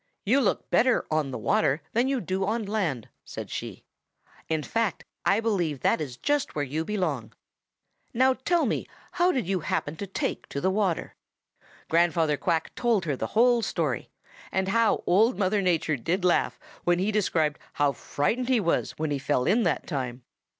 'You look better on the water than you do on land,' said she. 'In fact, I believe that is just where you belong. Now tell me how you happened to take to the water.' "Grandfather Quack told her the whole story and how Old Mother Nature did laugh when he described how frightened he was when he fell in that time.